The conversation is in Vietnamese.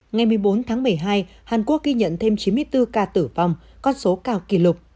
ngày một mươi bốn tháng một mươi hai hàn quốc ghi nhận thêm chín mươi bốn ca tử vong con số cao kỷ lục